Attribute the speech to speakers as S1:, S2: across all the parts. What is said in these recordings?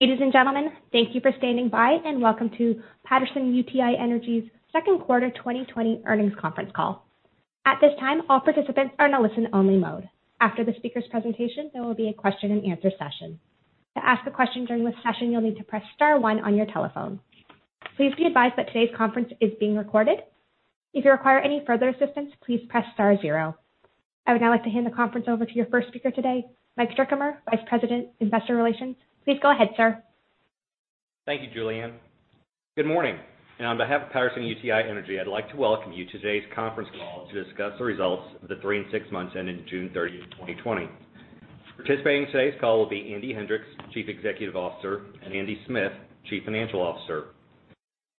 S1: Ladies and gentlemen, thank you for standing by, and welcome to Patterson-UTI Energy's second quarter 2020 earnings conference call. At this time, all participants are in a listen-only mode. After the speaker's presentation, there will be a question and answer session. To ask a question during this session, you will need to press star one on your telephone. Please be advised that today's conference is being recorded. If you require any further assistance, please press star zero. I would now like to hand the conference over to your first speaker today, Mike Sabella, Vice President, Investor Relations. Please go ahead, sir.
S2: Thank you, Julianne. Good morning, and on behalf of Patterson-UTI Energy, I'd like to welcome you to today's conference call to discuss the results of the three and six months ending June 30, 2020. Participating in today's call will be Andy Hendricks, Chief Executive Officer, and Andy Smith, Chief Financial Officer.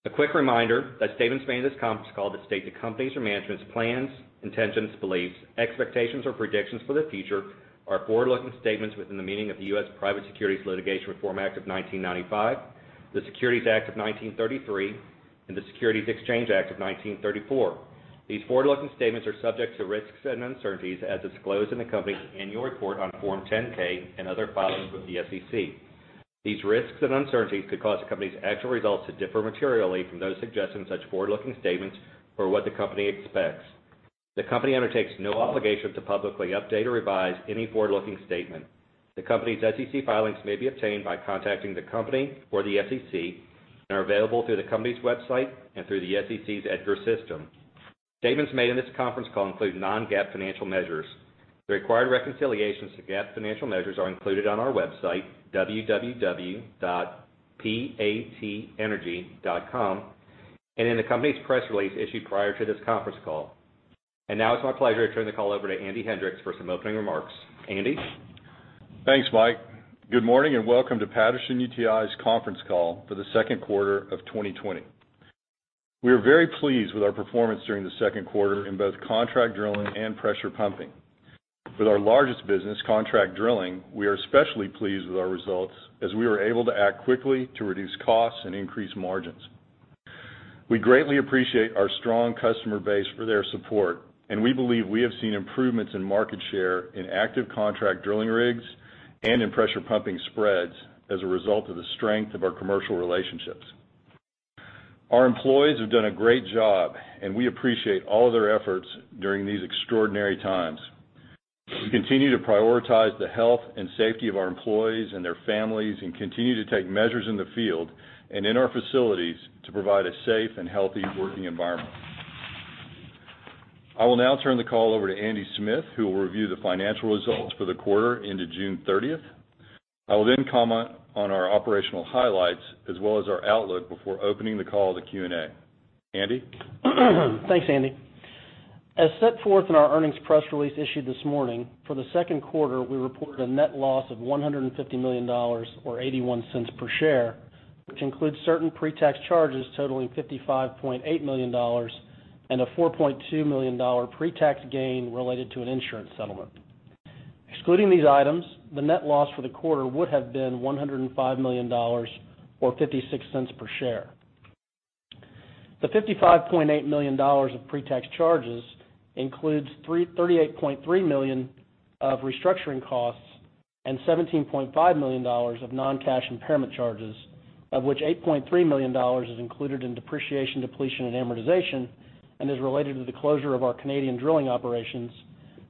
S2: A quick reminder that statements made in this conference call that state the company's or management's plans, intentions, beliefs, expectations, or predictions for the future are forward-looking statements within the meaning of the U.S. Private Securities Litigation Reform Act of 1995, the Securities Act of 1933, and the Securities Exchange Act of 1934. These forward-looking statements are subject to risks and uncertainties as disclosed in the company's annual report on Form 10-K and other filings with the SEC. These risks and uncertainties could cause the company's actual results to differ materially from those suggested in such forward-looking statements, or what the company expects. The company undertakes no obligation to publicly update or revise any forward-looking statement. The company's SEC filings may be obtained by contacting the company or the SEC, and are available through the company's website and through the SEC's EDGAR system. Statements made in this conference call include non-GAAP financial measures. The required reconciliations to GAAP financial measures are included on our website, www.patenergy.com, and in the company's press release issued prior to this conference call. Now it's my pleasure to turn the call over to Andy Hendricks for some opening remarks. Andy?
S3: Thanks, Mike. Good morning, and welcome to Patterson-UTI's conference call for the second quarter of 2020. We are very pleased with our performance during the second quarter in both contract drilling and pressure pumping. With our largest business, contract drilling, we are especially pleased with our results, as we were able to act quickly to reduce costs and increase margins. We greatly appreciate our strong customer base for their support, and we believe we have seen improvements in market share in active contract drilling rigs and in pressure pumping spreads as a result of the strength of our commercial relationships. Our employees have done a great job, and we appreciate all of their efforts during these extraordinary times. We continue to prioritize the health and safety of our employees and their families and continue to take measures in the field and in our facilities to provide a safe and healthy working environment. I will now turn the call over to Andy Smith, who will review the financial results for the quarter into June 30th. I will then comment on our operational highlights as well as our outlook before opening the call to Q&A. Andy?
S4: Thanks, Andy. As set forth in our earnings press release issued this morning, for the second quarter, we reported a net loss of $150 million, or $0.81 per share, which includes certain pre-tax charges totaling $55.8 million and a $4.2 million pre-tax gain related to an insurance settlement. Excluding these items, the net loss for the quarter would have been $105 million, or $0.56 per share. The $55.8 million of pre-tax charges includes $38.3 million of restructuring costs and $17.5 million of non-cash impairment charges, of which $8.3 million is included in depreciation, depletion, and amortization and is related to the closure of our Canadian drilling operations,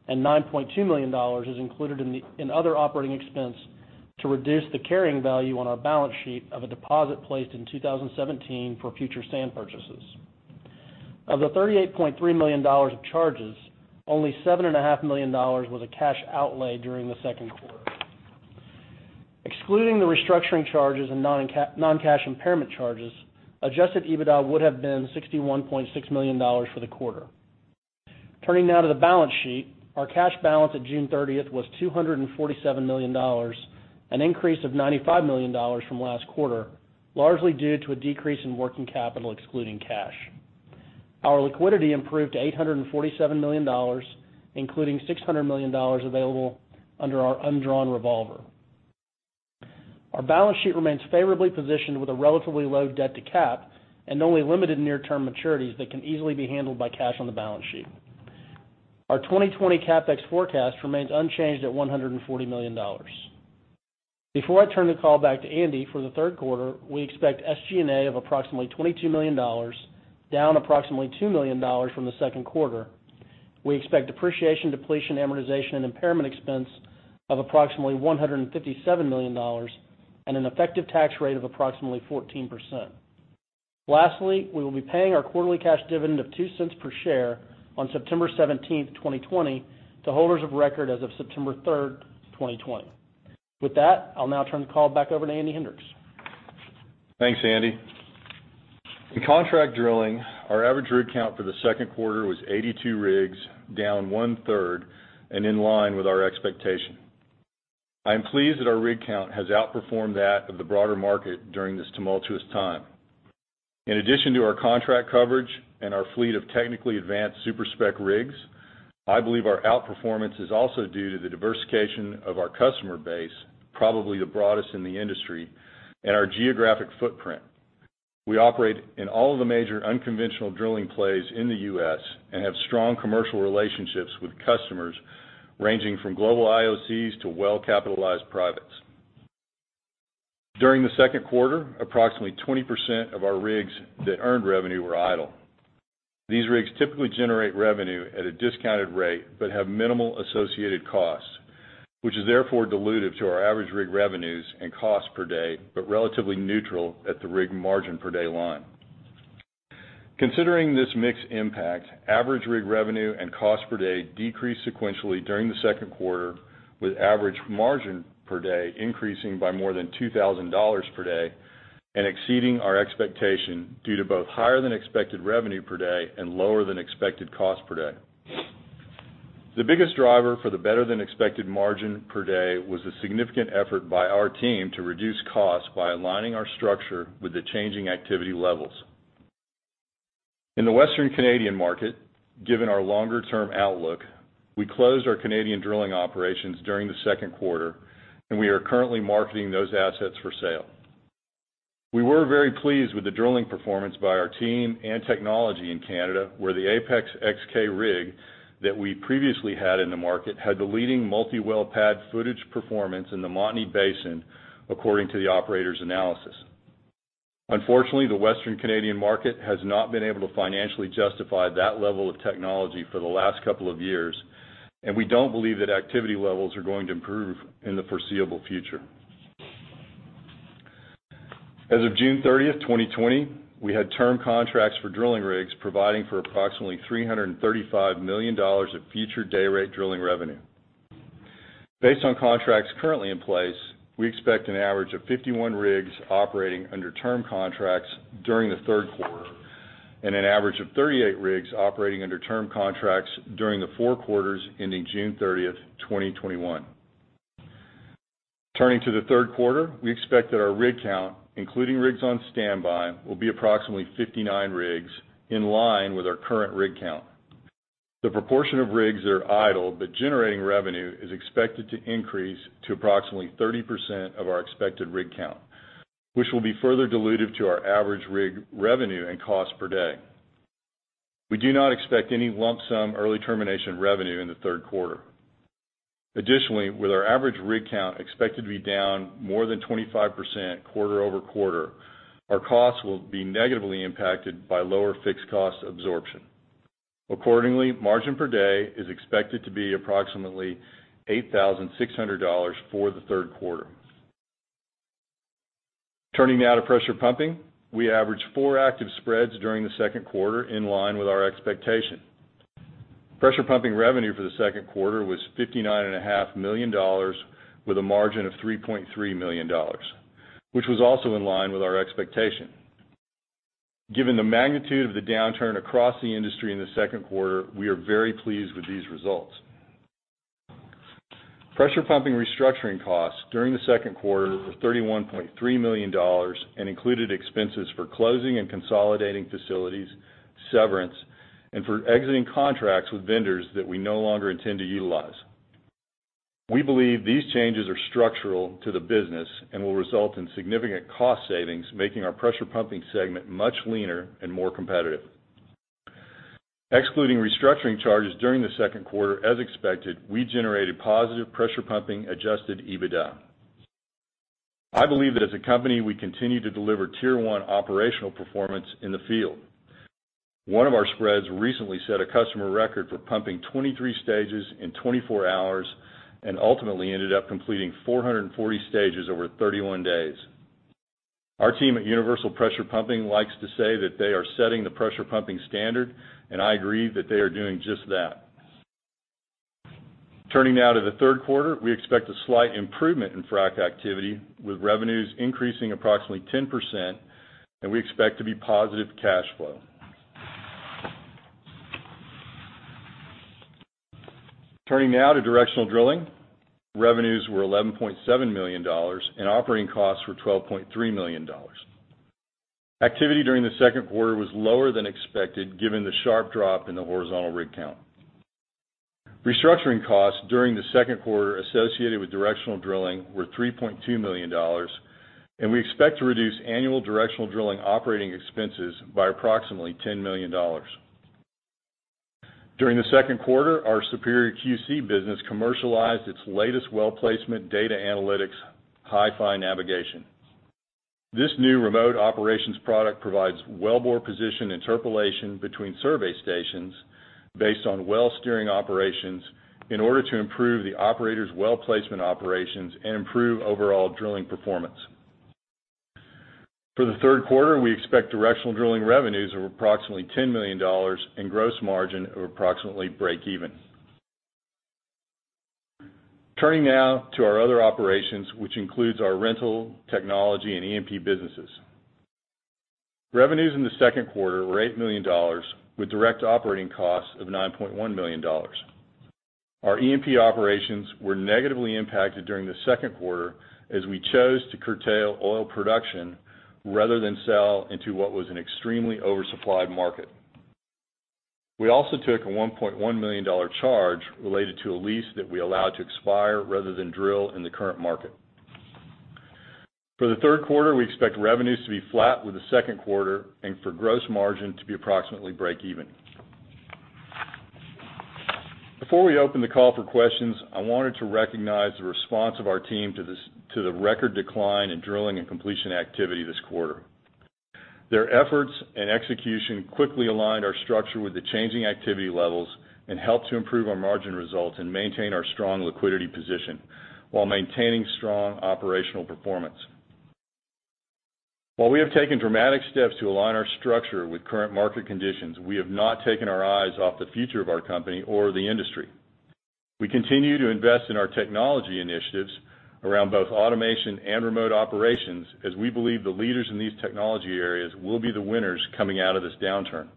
S4: and $9.2 million is included in other operating expense to reduce the carrying value on our balance sheet of a deposit placed in 2017 for future sand purchases. Of the $38.3 million of charges, only $7.5 million was a cash outlay during the second quarter. Excluding the restructuring charges and non-cash impairment charges, adjusted EBITDA would have been $61.6 million for the quarter. Turning now to the balance sheet. Our cash balance at June 30th was $247 million, an increase of $95 million from last quarter, largely due to a decrease in working capital excluding cash. Our liquidity improved to $847 million, including $600 million available under our undrawn revolver. Our balance sheet remains favorably positioned with a relatively low debt to cap and only limited near-term maturities that can easily be handled by cash on the balance sheet. Our 2020 CapEx forecast remains unchanged at $140 million. Before I turn the call back to Andy, for the third quarter, we expect SG&A of approximately $22 million, down approximately $2 million from the second quarter. We expect depreciation, depletion, amortization, and impairment expense of approximately $157 million and an effective tax rate of approximately 14%. Lastly, we will be paying our quarterly cash dividend of $0.02 per share on September 17th, 2020 to holders of record as of September 3rd, 2020. With that, I'll now turn the call back over to Andy Hendricks.
S3: Thanks, Andy. In contract drilling, our average rig count for the second quarter was 82 rigs, down one-third, and in line with our expectation. I am pleased that our rig count has outperformed that of the broader market during this tumultuous time. In addition to our contract coverage and our fleet of technically advanced super-spec rigs, I believe our outperformance is also due to the diversification of our customer base, probably the broadest in the industry, and our geographic footprint. We operate in all the major unconventional drilling plays in the U.S. and have strong commercial relationships with customers ranging from global IOCs to well-capitalized privates. During the second quarter, approximately 20% of our rigs that earned revenue were idle. These rigs typically generate revenue at a discounted rate, but have minimal associated costs, which is therefore dilutive to our average rig revenues and cost per day, but relatively neutral at the rig margin per day line. Considering this mixed impact, average rig revenue and cost per day decreased sequentially during the second quarter, with average margin per day increasing by more than $2,000 per day and exceeding our expectation due to both higher than expected revenue per day and lower than expected cost per day. The biggest driver for the better than expected margin per day was a significant effort by our team to reduce costs by aligning our structure with the changing activity levels. In the Western Canadian market, given our longer-term outlook, we closed our Canadian drilling operations during the second quarter, and we are currently marketing those assets for sale. We were very pleased with the drilling performance by our team and technology in Canada, where the APEX-XK rig that we previously had in the market had the leading multi-well pad footage performance in the Montney Basin, according to the operator's analysis. Unfortunately, the Western Canadian market has not been able to financially justify that level of technology for the last couple of years, and we don't believe that activity levels are going to improve in the foreseeable future. As of June 30th, 2020, we had term contracts for drilling rigs providing for approximately $335 million of future dayrate drilling revenue. Based on contracts currently in place, we expect an average of 51 rigs operating under term contracts during the third quarter and an average of 38 rigs operating under term contracts during the four quarters ending June 30th, 2021. Turning to the third quarter, we expect that our rig count, including rigs on standby, will be approximately 59 rigs, in line with our current rig count. The proportion of rigs that are idle but generating revenue is expected to increase to approximately 30% of our expected rig count, which will be further dilutive to our average rig revenue and cost per day. We do not expect any lump sum early termination revenue in the third quarter. Additionally, with our average rig count expected to be down more than 25% quarter-over-quarter, our costs will be negatively impacted by lower fixed cost absorption. Accordingly, margin per day is expected to be approximately $8,600 for the third quarter. Turning now to pressure pumping. We averaged four active spreads during the second quarter, in line with our expectation. Pressure pumping revenue for the second quarter was $59.5 million, with a margin of $3.3 million, which was also in line with our expectation. Given the magnitude of the downturn across the industry in the second quarter, we are very pleased with these results. Pressure pumping restructuring costs during the second quarter were $31.3 million and included expenses for closing and consolidating facilities, severance, and for exiting contracts with vendors that we no longer intend to utilize. We believe these changes are structural to the business and will result in significant cost savings, making our pressure pumping segment much leaner and more competitive. Excluding restructuring charges during the second quarter, as expected, we generated positive pressure pumping adjusted EBITDA. I believe that as a company, we continue to deliver Tier 1 operational performance in the field. One of our spreads recently set a customer record for pumping 23 stages in 24 hours and ultimately ended up completing 440 stages over 31 days. Our team at Universal Pressure Pumping likes to say that they are setting the pressure pumping standard, and I agree that they are doing just that. Turning now to the third quarter, we expect a slight improvement in frac activity with revenues increasing approximately 10%, and we expect to be positive cash flow. Turning now to directional drilling. Revenues were $11.7 million, and operating costs were $12.3 million. Activity during the second quarter was lower than expected given the sharp drop in the horizontal rig count. Restructuring costs during the second quarter associated with directional drilling were $3.2 million, and we expect to reduce annual directional drilling operating expenses by approximately $10 million. During the second quarter, our Superior QC business commercialized its latest wellbore placement data analytics, HiFi Nav. This new remote operations product provides wellbore position interpolation between survey stations based on well steering operations in order to improve the operator's well placement operations and improve overall drilling performance. For the third quarter, we expect directional drilling revenues of approximately $10 million and gross margin of approximately breakeven. Turning now to our other operations, which includes our rental, technology, and E&P businesses. Revenues in the second quarter were $8 million with direct operating costs of $9.1 million. Our E&P operations were negatively impacted during the second quarter as we chose to curtail oil production rather than sell into what was an extremely oversupplied market. We also took a $1.1 million charge related to a lease that we allowed to expire rather than drill in the current market. For the third quarter, we expect revenues to be flat with the second quarter and for gross margin to be approximately break even. Before we open the call for questions, I wanted to recognize the response of our team to the record decline in drilling and completion activity this quarter. Their efforts and execution quickly aligned our structure with the changing activity levels and helped to improve our margin results and maintain our strong liquidity position, while maintaining strong operational performance. While we have taken dramatic steps to align our structure with current market conditions, we have not taken our eyes off the future of our company or the industry. We continue to invest in our technology initiatives around both automation and remote operations, as we believe the leaders in these technology areas will be the winners coming out of this downturn.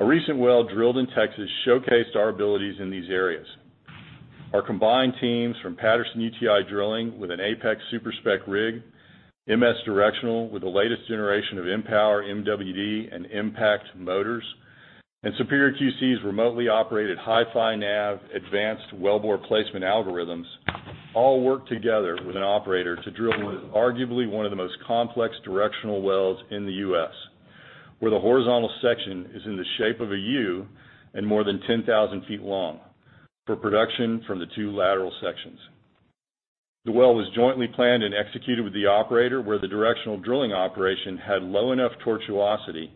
S3: A recent well drilled in Texas showcased our abilities in these areas. Our combined teams from Patterson-UTI Drilling with an APEX SuperSpec rig, MS Directional with the latest generation of mPower MWD and mPact motors, and Superior QC's remotely operated HiFi Nav advanced wellbore placement algorithms all work together with an operator to drill what is arguably one of the most complex directional wells in the U.S., where the horizontal section is in the shape of a U and more than 10,000 feet long for production from the two lateral sections. The well was jointly planned and executed with the operator, where the directional drilling operation had low enough tortuosity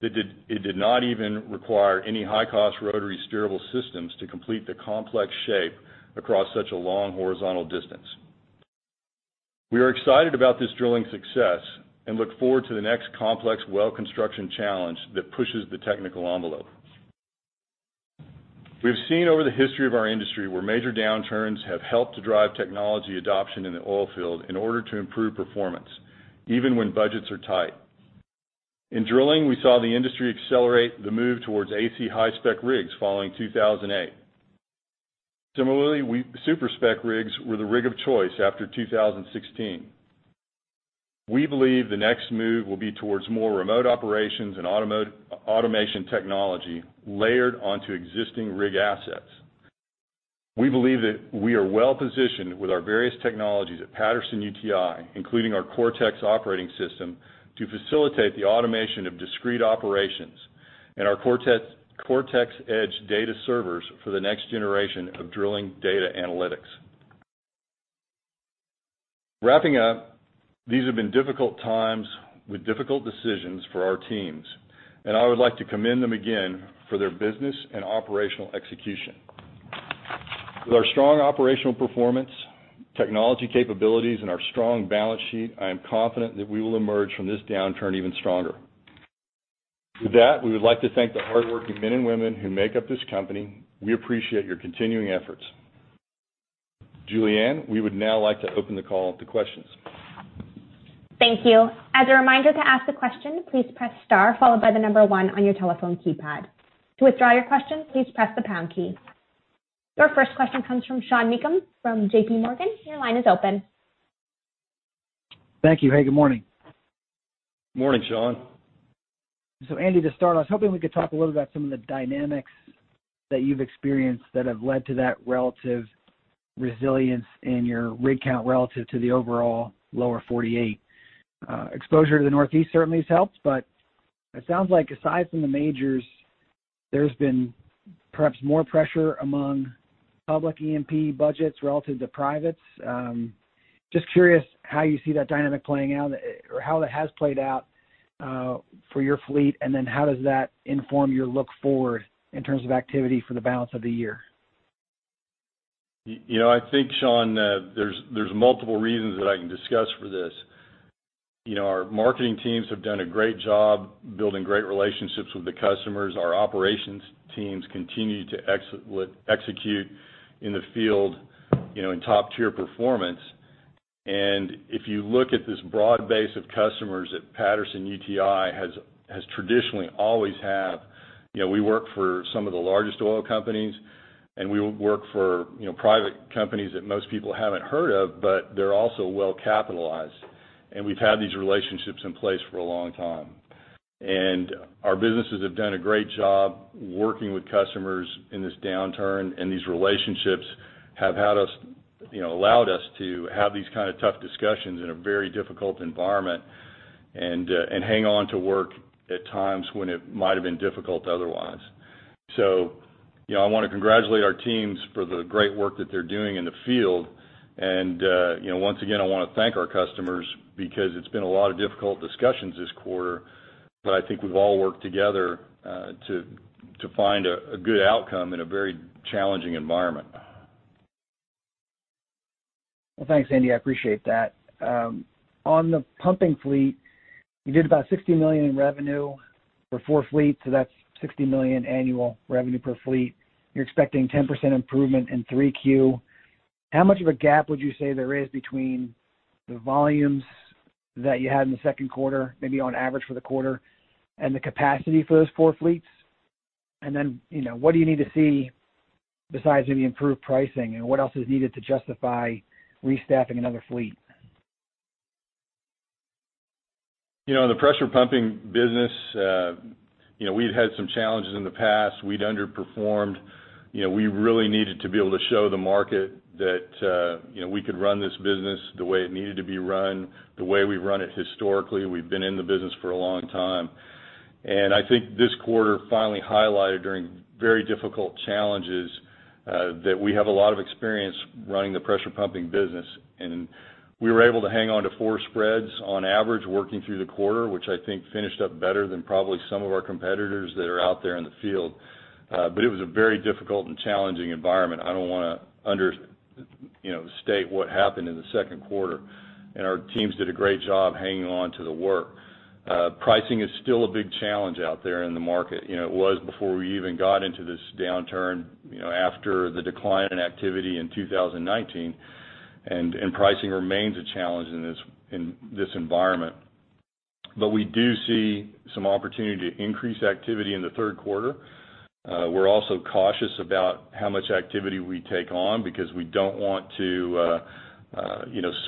S3: that it did not even require any high-cost rotary steerable systems to complete the complex shape across such a long horizontal distance. We are excited about this drilling success and look forward to the next complex well construction challenge that pushes the technical envelope. We've seen over the history of our industry where major downturns have helped to drive technology adoption in the oilfield in order to improve performance, even when budgets are tight. In drilling, we saw the industry accelerate the move towards AC high-spec rigs following 2008. Similarly, SuperSpec rigs were the rig of choice after 2016. We believe the next move will be towards more remote operations and automation technology layered onto existing rig assets. We believe that we are well-positioned with our various technologies at Patterson-UTI, including our Cortex operating system, to facilitate the automation of discrete operations and our Cortex Key data servers for the next generation of drilling data analytics. Wrapping up, these have been difficult times with difficult decisions for our teams, and I would like to commend them again for their business and operational execution. With our strong operational performance, technology capabilities, and our strong balance sheet, I am confident that we will emerge from this downturn even stronger. With that, we would like to thank the hardworking men and women who make up this company. We appreciate your continuing efforts. Julianne, we would now like to open the call to questions.
S1: Thank you. As a reminder, to ask a question, please press star followed by the number one on your telephone keypad. To withdraw your question, please press the pound key. Your first question comes from Sean Meakim from JPMorgan. Your line is open.
S5: Thank you. Hey, good morning.
S3: Morning, Sean.
S5: Andy, to start off, I was hoping we could talk a little about some of the dynamics that you've experienced that have led to that relative resilience in your rig count relative to the overall lower 48. Exposure to the Northeast certainly has helped, but it sounds like aside from the majors, there's been perhaps more pressure among public E&P budgets relative to privates. Just curious how you see that dynamic playing out or how that has played out for your fleet, and then how does that inform your look forward in terms of activity for the balance of the year?
S3: I think, Sean, there's multiple reasons that I can discuss for this. Our marketing teams have done a great job building great relationships with the customers. Our operations teams continue to execute in the field in top tier performance. If you look at this broad base of customers that Patterson-UTI has traditionally always had, we work for some of the largest oil companies, and we work for private companies that most people haven't heard of, but they're also well-capitalized. We've had these relationships in place for a long time. Our businesses have done a great job working with customers in this downturn, and these relationships have allowed us to have these kind of tough discussions in a very difficult environment and hang on to work at times when it might have been difficult otherwise. I want to congratulate our teams for the great work that they're doing in the field. Once again, I want to thank our customers because it's been a lot of difficult discussions this quarter, but I think we've all worked together to find a good outcome in a very challenging environment.
S5: Well, thanks, Andy. I appreciate that. On the pumping fleet, you did about $60 million in revenue for four fleets, so that's $60 million annual revenue per fleet. You're expecting 10% improvement in 3Q. How much of a gap would you say there is between the volumes that you had in the second quarter, maybe on average for the quarter, and the capacity for those four fleets? What do you need to see besides maybe improved pricing? What else is needed to justify restaffing another fleet?
S3: In the pressure pumping business, we've had some challenges in the past. We'd underperformed. We really needed to be able to show the market that we could run this business the way it needed to be run, the way we've run it historically. We've been in the business for a long time. I think this quarter finally highlighted, during very difficult challenges, that we have a lot of experience running the pressure pumping business. We were able to hang on to four spreads on average, working through the quarter, which I think finished up better than probably some of our competitors that are out there in the field. It was a very difficult and challenging environment. I don't want to understate what happened in the second quarter, and our teams did a great job hanging on to the work. Pricing is still a big challenge out there in the market. It was before we even got into this downturn, after the decline in activity in 2019. Pricing remains a challenge in this environment. We do see some opportunity to increase activity in the third quarter. We're also cautious about how much activity we take on, because we don't want to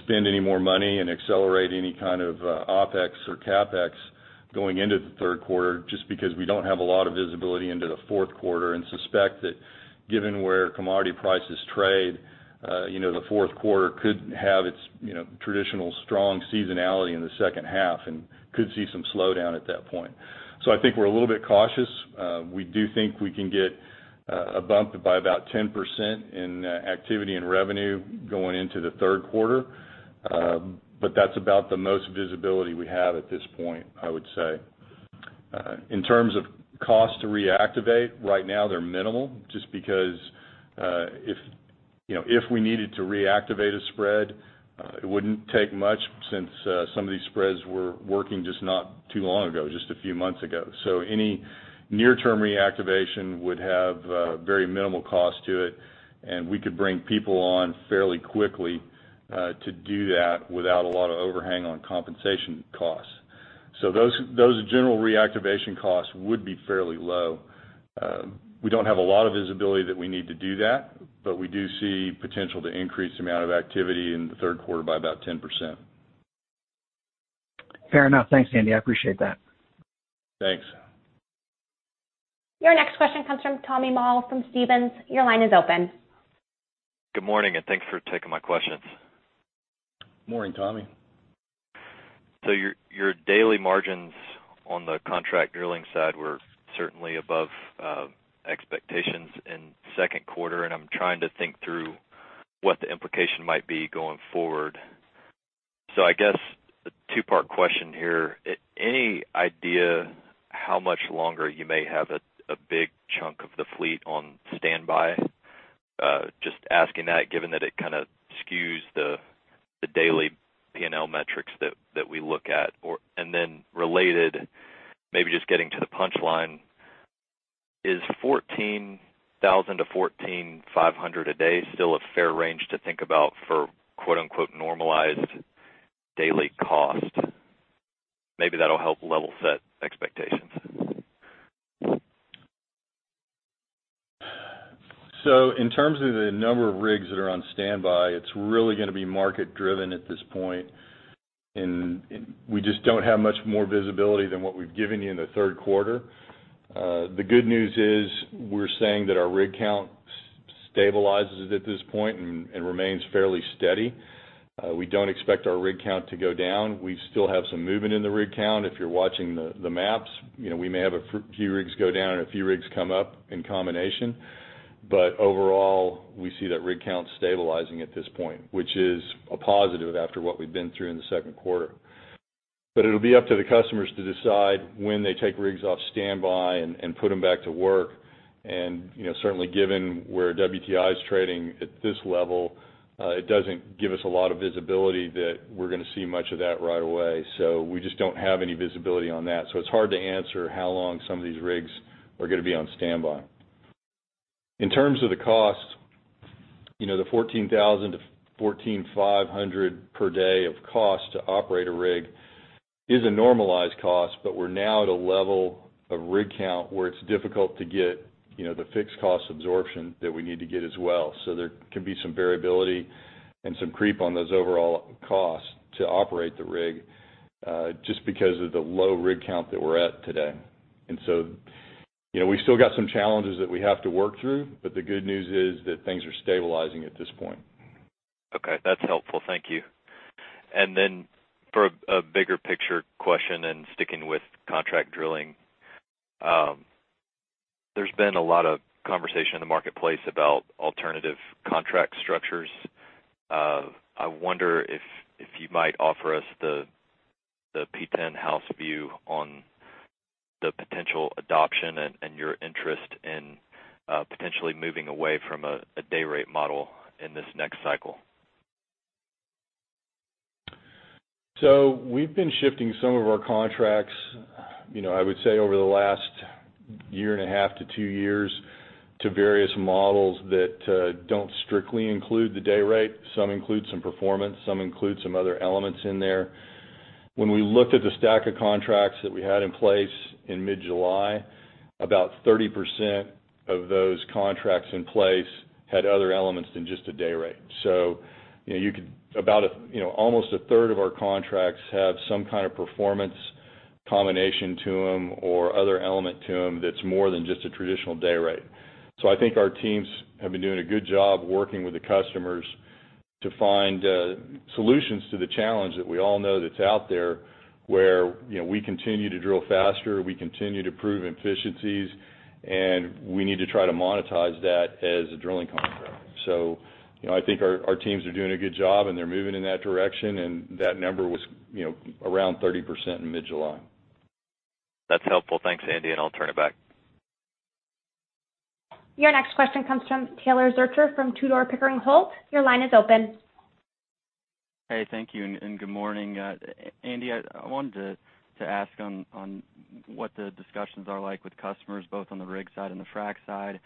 S3: spend any more money and accelerate any kind of OpEx or CapEx going into the third quarter, just because we don't have a lot of visibility into the fourth quarter and suspect that given where commodity prices trade, the fourth quarter could have its traditional strong seasonality in the second half and could see some slowdown at that point. I think we're a little bit cautious. We do think we can get a bump by about 10% in activity and revenue going into the third quarter. That's about the most visibility we have at this point, I would say. In terms of cost to reactivate, right now they're minimal, just because if we needed to reactivate a spread, it wouldn't take much since some of these spreads were working just not too long ago, just a few months ago. Any near-term reactivation would have very minimal cost to it, and we could bring people on fairly quickly to do that without a lot of overhang on compensation costs. Those general reactivation costs would be fairly low. We don't have a lot of visibility that we need to do that, but we do see potential to increase the amount of activity in the third quarter by about 10%.
S5: Fair enough. Thanks, Andy. I appreciate that.
S3: Thanks.
S1: Your next question comes from Tommy Moll from Stephens. Your line is open.
S6: Good morning, and thanks for taking my questions.
S3: Morning, Tommy.
S6: Your daily margins on the contract drilling side were certainly above expectations in second quarter. I'm trying to think through what the implication might be going forward. I guess a two-part question here. Any idea how much longer you may have a big chunk of the fleet on standby? Just asking that, given that it kind of skews the daily P&L metrics that we look at. Then related, maybe just getting to the punchline, is $14,000-$14,500 a day still a fair range to think about for "normalized daily cost"? Maybe that'll help level set expectations.
S3: In terms of the number of rigs that are on standby, it's really going to be market-driven at this point. And we just don't have much more visibility than what we've given you in the third quarter. The good news is we're saying that our rig count stabilizes at this point and remains fairly steady. We don't expect our rig count to go down. We still have some movement in the rig count. If you're watching the maps, we may have a few rigs go down and a few rigs come up in combination. Overall, we see that rig count stabilizing at this point, which is a positive after what we've been through in the second quarter. It'll be up to the customers to decide when they take rigs off standby and put them back to work. Certainly, given where WTI is trading at this level, it doesn't give us a lot of visibility that we're going to see much of that right away. We just don't have any visibility on that. It's hard to answer how long some of these rigs are going to be on standby. In terms of the cost, the $14,000-$14,500 per day of cost to operate a rig is a normalized cost, but we're now at a level of rig count where it's difficult to get the fixed cost absorption that we need to get as well. There could be some variability and some creep on those overall costs to operate the rig, just because of the low rig count that we're at today. We still got some challenges that we have to work through, but the good news is that things are stabilizing at this point.
S6: Okay. That's helpful. Thank you. For a bigger picture question and sticking with contract drilling, there's been a lot of conversation in the marketplace about alternative contract structures. I wonder if you might offer us the PTEN house view on the potential adoption and your interest in potentially moving away from a dayrate model in this next cycle.
S3: We've been shifting some of our contracts I would say over the last year and a half to two years to various models that don't strictly include the day rate. Some include some performance. Some include some other elements in there. When we looked at the stack of contracts that we had in place in mid-July. About 30% of those contracts in place had other elements than just a day rate. Almost a third of our contracts have some kind of performance combination to them or other element to them that's more than just a traditional day rate. I think our teams have been doing a good job working with the customers to find solutions to the challenge that we all know that's out there, where we continue to drill faster, we continue to prove efficiencies, and we need to try to monetize that as a drilling contract. I think our teams are doing a good job, and they're moving in that direction, and that number was around 30% in mid-July.
S6: That's helpful. Thanks, Andy, and I'll turn it back.
S1: Your next question comes from Taylor Zurcher from Tudor, Pickering, Holt. Your line is open.
S7: Hey, thank you, and good morning. Andy, I wanted to ask on what the discussions are like with customers, both on the rig side and the frack side.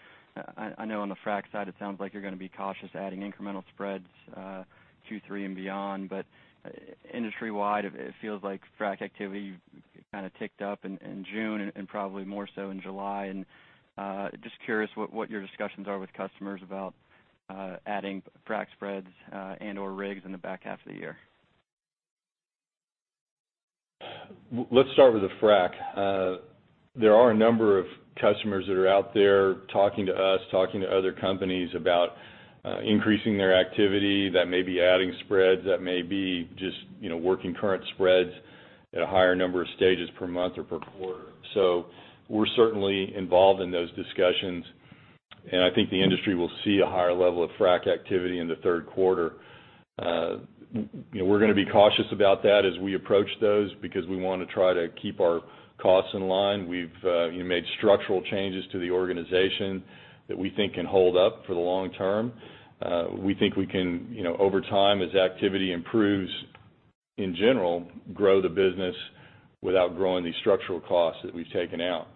S7: I know on the frack side, it sounds like you're going to be cautious adding incremental spreads Q3 and beyond, but industry-wide, it feels like frack activity kind of ticked up in June and probably more so in July. Just curious what your discussions are with customers about adding frack spreads and/or rigs in the back 1/2 of the year.
S3: Let's start with the frack. There are a number of customers that are out there talking to us, talking to other companies about increasing their activity. That may be adding spreads. That may be just working current spreads at a higher number of stages per month or per quarter. We're certainly involved in those discussions, and I think the industry will see a higher level of frack activity in the third quarter. We're going to be cautious about that as we approach those because we want to try to keep our costs in line. We've made structural changes to the organization that we think can hold up for the long term. We think we can, over time, as activity improves in general, grow the business without growing these structural costs that we've taken out.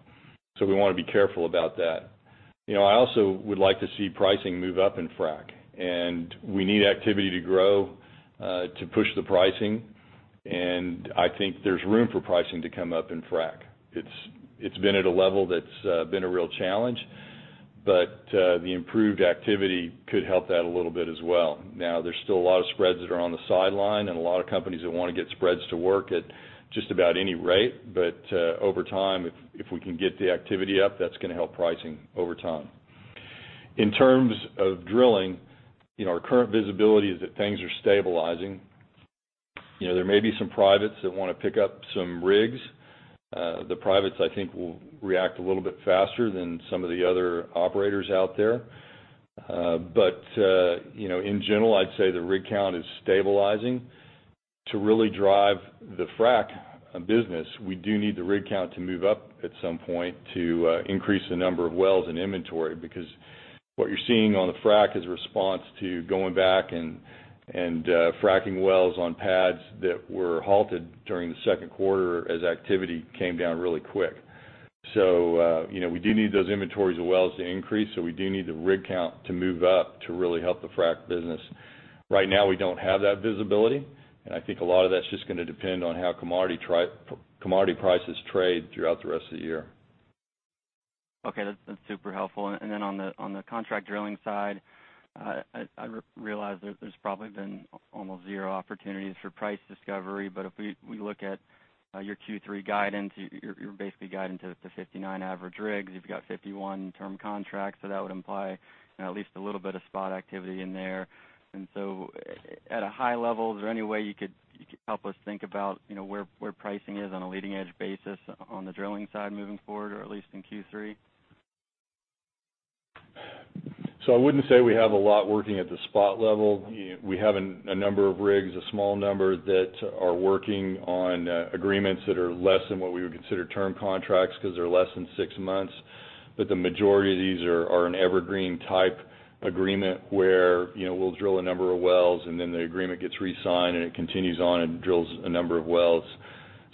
S3: We want to be careful about that. I also would like to see pricing move up in frack, and we need activity to grow to push the pricing, and I think there's room for pricing to come up in frack. It's been at a level that's been a real challenge, but the improved activity could help that a little bit as well. Now, there's still a lot of spreads that are on the sideline and a lot of companies that want to get spreads to work at just about any rate. Over time, if we can get the activity up, that's going to help pricing over time. In terms of drilling, our current visibility is that things are stabilizing. There may be some privates that want to pick up some rigs. The privates, I think, will react a little bit faster than some of the other operators out there. In general, I'd say the rig count is stabilizing. To really drive the frack business, we do need the rig count to move up at some point to increase the number of wells in inventory because what you're seeing on the frack is a response to going back and fracking wells on pads that were halted during the second quarter as activity came down really quick. We do need those inventories of wells to increase. We do need the rig count to move up to really help the frack business. Right now, we don't have that visibility, and I think a lot of that's just going to depend on how commodity prices trade throughout the rest of the year.
S7: Okay. That's super helpful. On the contract drilling side, I realize there's probably been almost zero opportunities for price discovery, but if we look at your Q3 guidance, you're basically guiding to 59 average rigs. You've got 51 term contracts, so that would imply at least a little bit of spot activity in there. At a high level, is there any way you could help us think about where pricing is on a leading-edge basis on the drilling side moving forward or at least in Q3?
S3: I wouldn't say we have a lot working at the spot level. We have a number of rigs, a small number that are working on agreements that are less than what we would consider term contracts because they're less than six months. The majority of these are an evergreen type agreement where we'll drill a number of wells, and then the agreement gets re-signed, and it continues on and drills a number of wells.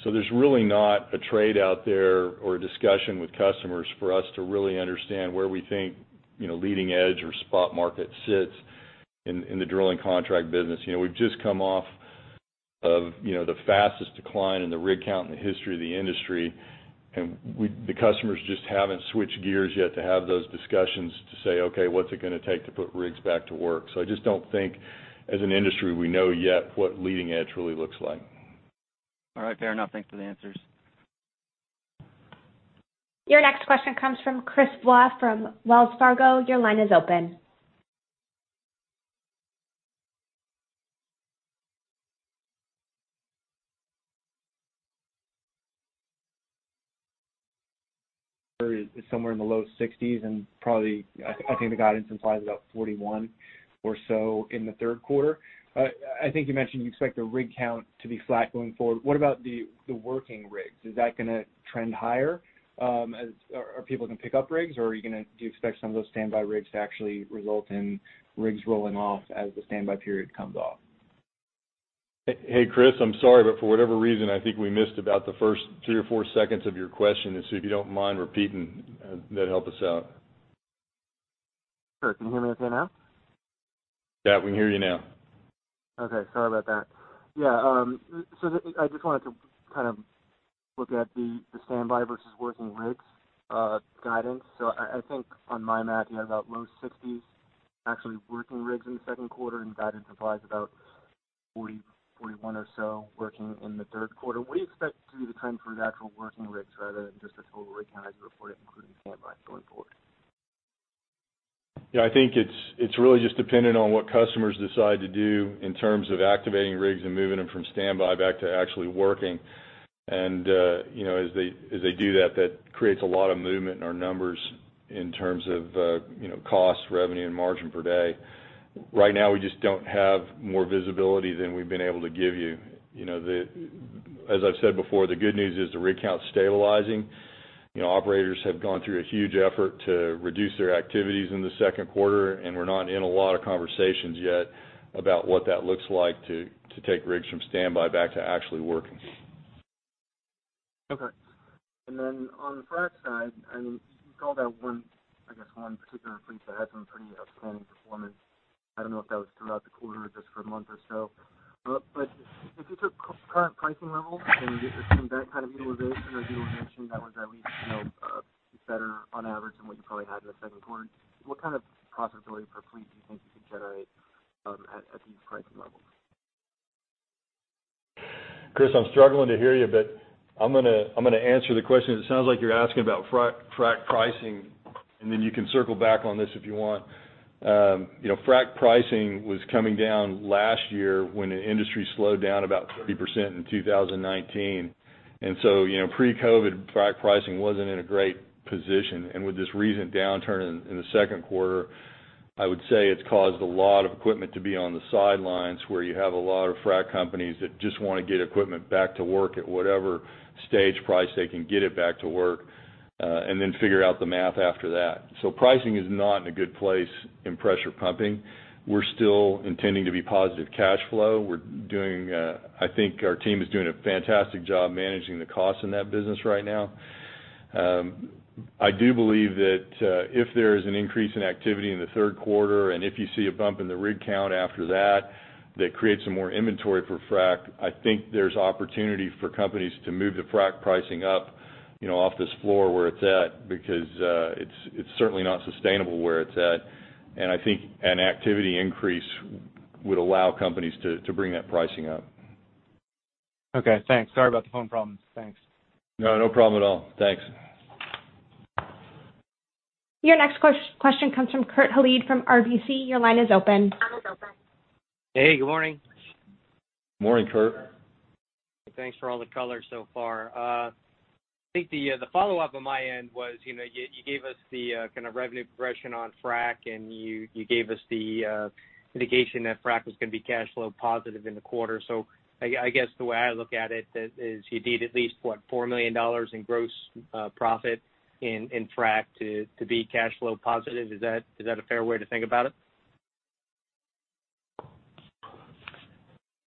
S3: There's really not a trade out there or a discussion with customers for us to really understand where we think leading edge or spot market sits in the drilling contract business. We've just come off of the fastest decline in the rig count in the history of the industry, and the customers just haven't switched gears yet to have those discussions to say, "Okay, what's it going to take to put rigs back to work?" I just don't think as an industry, we know yet what leading edge really looks like.
S7: All right. Fair enough. Thanks for the answers.
S1: Your next question comes from Chris Walsh from Wells Fargo. Your line is open.
S8: Is somewhere in the low 60s. Probably, I think the guidance implies about 41 or so in the third quarter. I think you mentioned you expect the rig count to be flat going forward. What about the working rigs? Is that going to trend higher? Are people going to pick up rigs, or do you expect some of those standby rigs to actually result in rigs rolling off as the standby period comes off?
S3: Hey, Chris. I'm sorry, but for whatever reason, I think we missed about the first three or four seconds of your question. If you don't mind repeating, that'd help us out.
S8: Sure. Can you hear me okay now?
S3: Yeah, we can hear you now.
S8: Okay. Sorry about that. Yeah. I just wanted to look at the standby versus working rigs guidance. I think on my math, you have about low 60s actually working rigs in the second quarter, and guidance implies about 40, 41 or so working in the third quarter. What do you expect to be the trend for the actual working rigs rather than just the total rig count as you report it, including standby going forward?
S3: Yeah, I think it's really just dependent on what customers decide to do in terms of activating rigs and moving them from standby back to actually working. As they do that creates a lot of movement in our numbers in terms of cost, revenue, and margin per day. Right now, we just don't have more visibility than we've been able to give you. As I've said before, the good news is the rig count's stabilizing. Operators have gone through a huge effort to reduce their activities in the second quarter, and we're not in a lot of conversations yet about what that looks like to take rigs from standby back to actually working.
S8: Okay. On the frack side, you called out one particular fleet that had some pretty outstanding performance. I don't know if that was throughout the quarter or just for a month or so. If you took current pricing levels and assumed that kind of utilization or utilization that was at least better on average than what you probably had in the second quarter, what kind of profitability per fleet do you think you could generate, at these pricing levels?
S3: Chris, I'm struggling to hear you, but I'm going to answer the question. It sounds like you're asking about frack pricing, and then you can circle back on this if you want. Frack pricing was coming down last year when the industry slowed down about 30% in 2019. Pre-COVID, frack pricing wasn't in a great position, and with this recent downturn in the second quarter, I would say it's caused a lot of equipment to be on the sidelines where you have a lot of frack companies that just want to get equipment back to work at whatever stage price they can get it back to work, and then figure out the math after that. Pricing is not in a good place in pressure pumping. We're still intending to be positive cash flow. I think our team is doing a fantastic job managing the costs in that business right now. I do believe that, if there is an increase in activity in the third quarter, and if you see a bump in the rig count after that creates some more inventory for frack. I think there's opportunity for companies to move the frack pricing up off this floor where it's at, because it's certainly not sustainable where it's at. I think an activity increase would allow companies to bring that pricing up.
S8: Okay. Thanks. Sorry about the phone problems. Thanks.
S3: No, no problem at all. Thanks.
S1: Your next question comes from Kurt Hallead from RBC. Your line is open.
S9: Hey, good morning.
S3: Morning, Kurt.
S9: Thanks for all the color so far. I think the follow-up on my end was, you gave us the kind of revenue progression on frack, and you gave us the indication that frack was going to be cash flow positive in the quarter. I guess the way I look at it is you need at least, what, $4 million in gross profit in frack to be cash flow positive. Is that a fair way to think about it?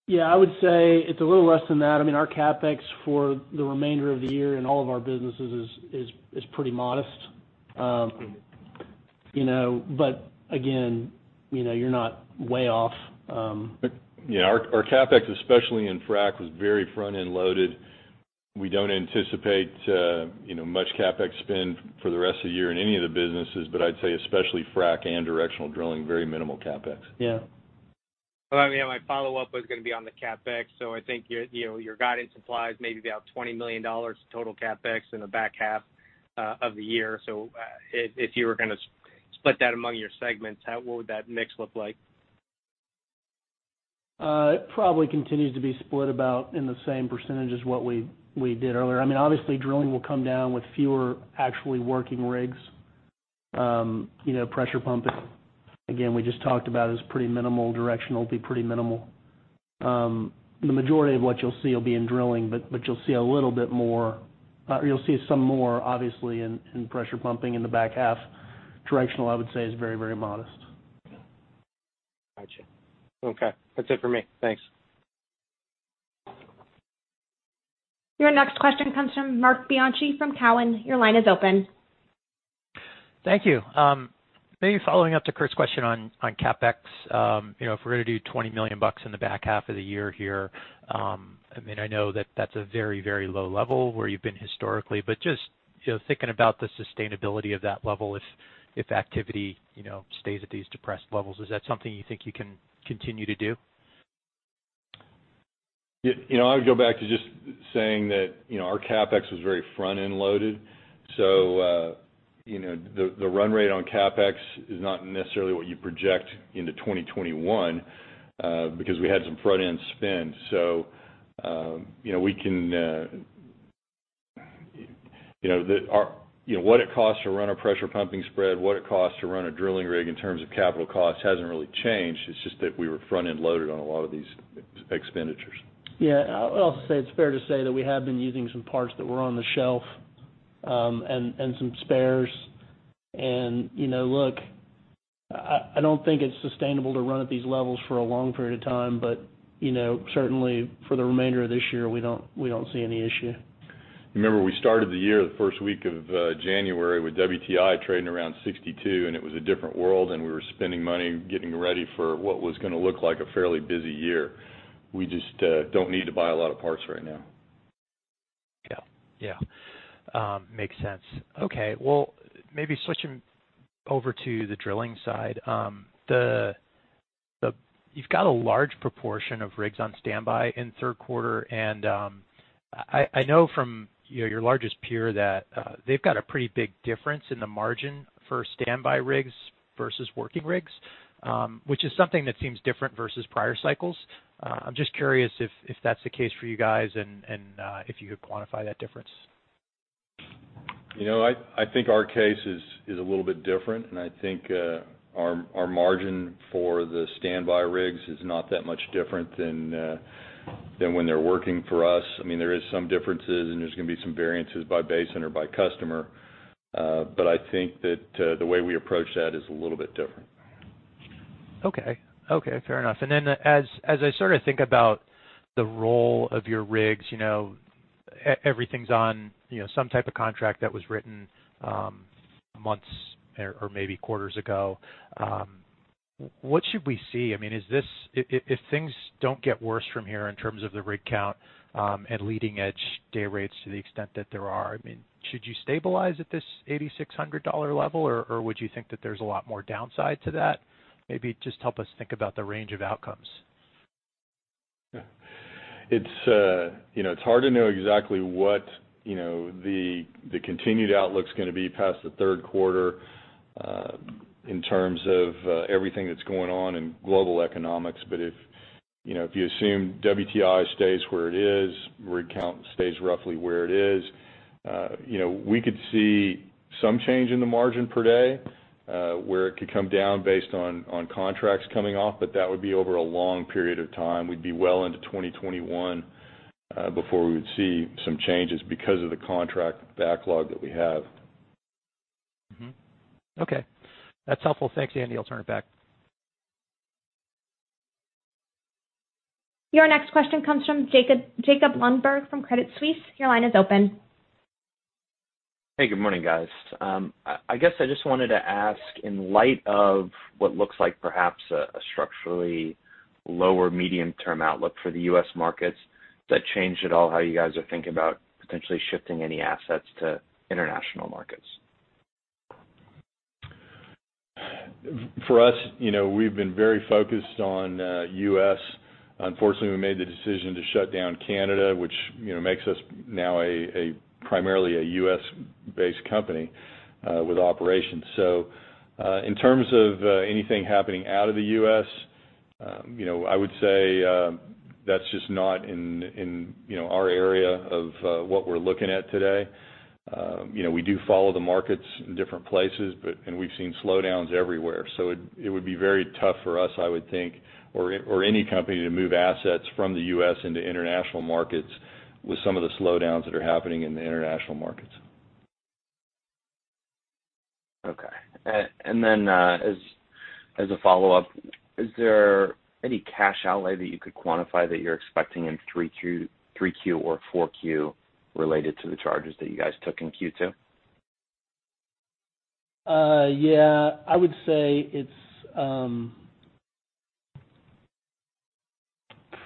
S4: Yeah, I would say it's a little less than that. Our CapEx for the remainder of the year in all of our businesses is pretty modest. Again, you're not way off.
S3: Yeah, our CapEx, especially in frack was very front-end loaded. We don't anticipate much CapEx spend for the rest of the year in any of the businesses, but I'd say especially frack and directional drilling, very minimal CapEx.
S9: Yeah. My follow-up was going to be on the CapEx. I think your guidance implies maybe about $20 million total CapEx in the back 1/2 of the year. If you were going to split that among your segments, what would that mix look like?
S4: It probably continues to be split about in the same percentage as what we did earlier. Obviously, drilling will come down with fewer actually working rigs. Pressure pumping, again, we just talked about, is pretty minimal. Directional will be pretty minimal. The majority of what you'll see will be in drilling, but you'll see some more, obviously, in pressure pumping in the back half. Directional, I would say, is very modest.
S9: Got you.
S4: Okay.
S9: That's it for me. Thanks.
S1: Your next question comes from Marc Bianchi from Cowen. Your line is open.
S10: Thank you. Maybe following up to Kurt's question on CapEx. If we're going to do $20 million in the back half of the year here, I know that that's a very low level where you've been historically, but just thinking about the sustainability of that level, if activity stays at these depressed levels, is that something you think you can continue to do?
S3: I would go back to just saying that our CapEx was very front-end loaded. The run rate on CapEx is not necessarily what you project into 2021, because we had some front-end spend. What it costs to run a pressure pumping spread, what it costs to run a drilling rig in terms of capital costs hasn't really changed. It's just that we were front-end loaded on a lot of these expenditures.
S4: Yeah. I'll say it's fair to say that we have been using some parts that were on the shelf, and some spares. Look, I don't think it's sustainable to run at these levels for a long period of time, but certainly for the remainder of this year, we don't see any issue.
S3: Remember, we started the year, the first week of January with WTI trading around $62, and it was a different world, and we were spending money getting ready for what was going to look like a fairly busy year. We just don't need to buy a lot of parts right now.
S10: Yeah. Makes sense. Okay. Well, maybe switching over to the drilling side. You've got a large proportion of rigs on standby in the third quarter, and I know from your largest peer that they've got a pretty big difference in the margin for standby rigs versus working rigs, which is something that seems different versus prior cycles. I'm just curious if that's the case for you guys and if you could quantify that difference.
S3: I think our case is a little bit different. I think our margin for the standby rigs is not that much different than when they're working for us. There are some differences. There's going to be some variances by basin or by customer. I think that the way we approach that is a little bit different.
S10: Okay. Fair enough. As I sort of think about the role of your rigs, everything's on some type of contract that was written months or maybe quarters ago. What should we see? If things don't get worse from here in terms of the rig count, and leading edge day rates to the extent that there are, should you stabilize at this $8,600 level, or would you think that there's a lot more downside to that? Maybe just help us think about the range of outcomes.
S3: It's hard to know exactly what the continued outlook's going to be past the third quarter in terms of everything that's going on in global economics. If you assume WTI stays where it is, rig count stays roughly where it is, we could see some change in the margin per day, where it could come down based on contracts coming off, but that would be over a long period of time. We'd be well into 2021 before we would see some changes because of the contract backlog that we have.
S10: Okay. That's helpful. Thanks, Andy. I'll turn it back.
S1: Your next question comes from Jacob Lundberg from Credit Suisse. Your line is open.
S11: Hey, good morning, guys. I guess I just wanted to ask, in light of what looks like perhaps a structurally lower medium-term outlook for the U.S. markets, does that change at all how you guys are thinking about potentially shifting any assets to international markets?
S3: For us, we've been very focused on U.S. Unfortunately, we made the decision to shut down Canada, which makes us now primarily a U.S.-based company with operations. In terms of anything happening out of the U.S., I would say that's just not in our area of what we're looking at today. We do follow the markets in different places, and we've seen slowdowns everywhere. It would be very tough for us, I would think, or any company to move assets from the U.S. into international markets with some of the slowdowns that are happening in the international markets.
S11: Okay. Then as a follow-up, is there any cash outlay that you could quantify that you're expecting in 3Q or 4Q related to the charges that you guys took in Q2?
S4: Yeah. I would say it's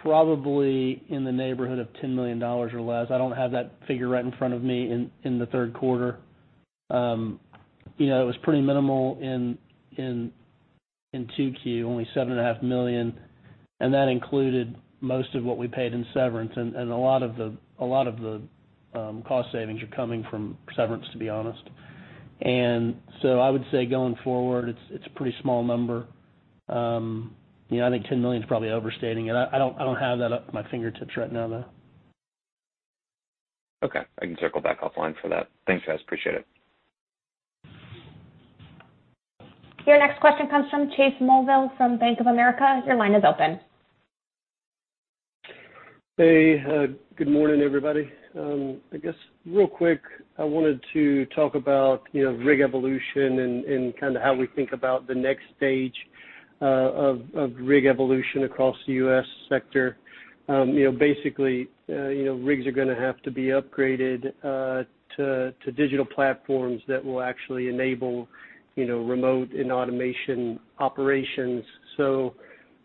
S4: probably in the neighborhood of $10 million or less. I don't have that figure right in front of me in the third quarter. It was pretty minimal in 2Q, only $7.5 million, and that included most of what we paid in severance, and a lot of the cost savings are coming from severance, to be honest. I would say going forward, it's a pretty small number. I think $10 million is probably overstating it. I don't have that at my fingertips right now, though.
S11: Okay. I can circle back offline for that. Thanks, guys. Appreciate it.
S1: Your next question comes from Chase Mulvehill from Bank of America. Your line is open.
S12: Hey, good morning, everybody. I guess real quick, I wanted to talk about rig evolution and kind of how we think about the next stage of rig evolution across the U.S. sector. Basically, rigs are going to have to be upgraded to digital platforms that will actually enable remote and automation operations.